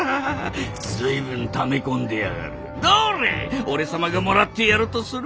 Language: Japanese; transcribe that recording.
随分ため込んでやがる。